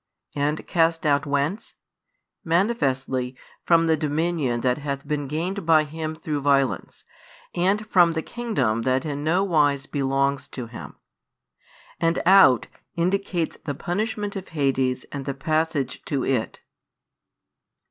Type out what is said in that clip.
And cast out whence? Manifestly, from the dominion that hath been gained by him through violence, and from the kingdom that in no wise belongs to him. And "out" indicates the punishment of Hades and the passage to it.